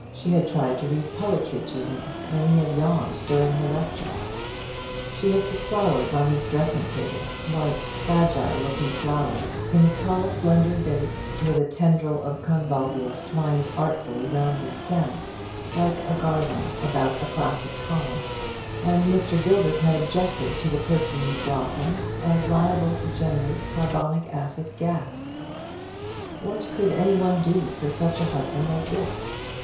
She had tried to read poetry to him, and he had yawned during her lecture. She had put flowers on his dressing table white fragile looking flowers in a tall slender vase with a tendril of convolvulus twined artfully round the stem, like a garland about a classic column; and Mr. Gilbert had objected to the perfumed blossoms as liable to generate carbonic acid gas. What could any one do for such a husband as this?